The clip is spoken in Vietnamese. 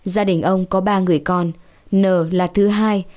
gia đình ông có ba người con nờ là thứ hai và cũng là thứ một